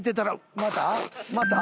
また？